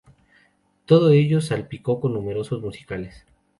Todo ello salpicado con números musicales.